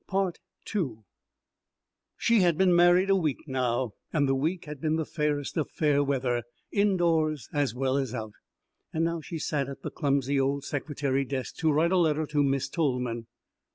She had been married a week now, and the week had been the fairest of fair weather, indoors as well as out. Now she sat at the clumsy old secretary desk to write a letter to Miss Tolman.